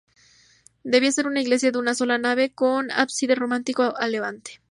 Debía ser una iglesia de una sola nave, con ábside románico a levante.